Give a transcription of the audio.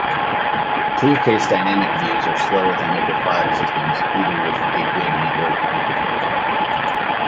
ClearCase dynamic views are slower than local filesystems, even with a good network infrastructure.